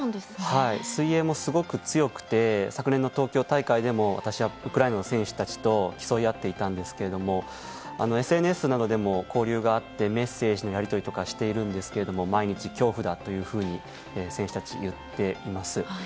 水泳もすごく強くて昨年の東京大会でも私はウクライナの選手たちと競い合っていたんですがＳＮＳなどでも交流があってメッセージのやり取りとかしているんですけれども毎日恐怖だと選手たちは言っています。